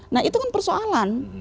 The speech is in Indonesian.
nah itu kan persoalan